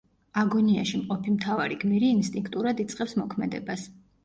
აგონიაში მყოფი მთავარი გმირი ინსტინქტურად იწყებს მოქმედებას.